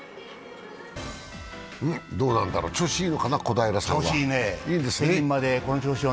どうなんだろう、調子いいのかな、小平さんは。